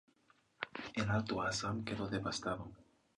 El alto Assam quedó devastado.